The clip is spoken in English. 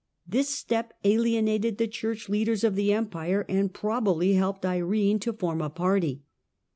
This step alien ted the Church leaders of the Empire, and probably lelped Irene to form a party.